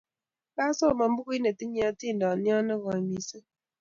Kasoman pukuit netinye etindyot ne koy missing'